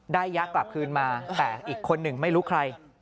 ยะกลับคืนมาแต่อีกคนหนึ่งไม่รู้ใคร